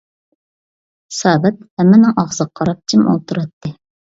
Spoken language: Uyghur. سابىت ھەممىنىڭ ئاغزىغا قاراپ جىم ئولتۇراتتى.